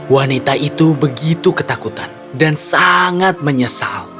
wanita itu begitu ketakutan dan sangat menyesal